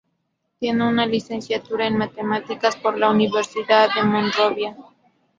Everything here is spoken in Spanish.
Tiene una licenciatura en Matemáticas por la Universidad de Monrovia.